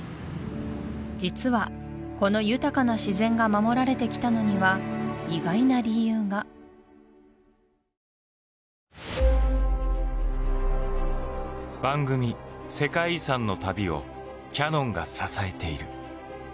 実はこの豊かな自然が守られてきたのには意外な理由が番組「世界遺産」の旅をキヤノンが支えている。